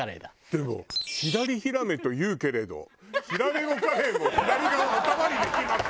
でも「左ヒラメというけれどヒラメもカレイも左側を頭にできます」。